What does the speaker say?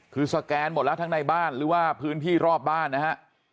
คือสแกนหมดแล้วทั้งในบ้านหรือว่าพื้นที่รอบบ้านนะฮะ